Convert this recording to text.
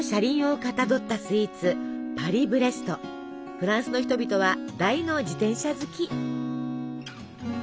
フランスの人々は大の自転車好き！